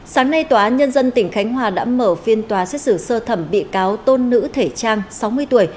sáng nay tòa án nhân dân tỉnh khánh hòa đã mở phiên tòa xét xử sơ thẩm bị cáo tôn nữ thể trang sáu mươi tuổi